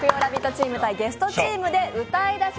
チーム対ゲストチームで歌い出し